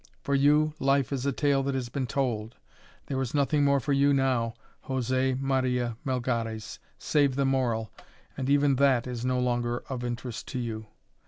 For you, life is a tale that has been told; there is nothing more for you now, José Maria Melgares, save the moral, and even that is no longer of interest to you.